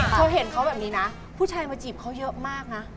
เธอเห็นเขาแบบนี้นะผู้ชายมาจีบเขาเยอะมากนะ